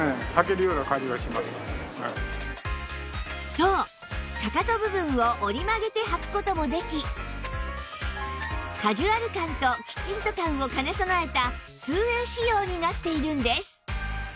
そうかかと部分を折り曲げて履く事もできカジュアル感とキチンと感を兼ね備えたツーウェイ仕様になっているんです